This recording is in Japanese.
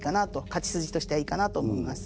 勝ち筋としてはいいかなと思います。